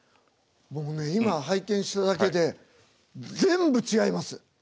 僕ね今拝見しただけで全部違います。